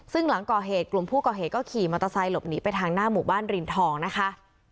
ซึ่งหลังก่อเหตุกลุ่มผู้ก่อเหตุก็ขี่มอเตอร์ไซค์หลบหนีไปทางหน้าหมู่บ้านรินทองนะคะ